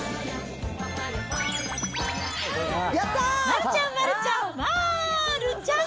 丸ちゃん、丸ちゃん、まーるちゃん。